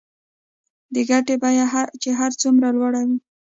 د ګټې بیه چې هر څومره لوړه وي